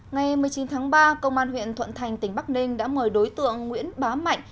ngày một mươi chín tháng ba công an huyện thuận thành tỉnh bắc ninh đã mời đối tượng nguyễn bá mạnh